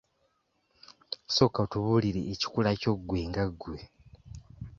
Sooka otubuulira ekikula kyo gwe nga gwe.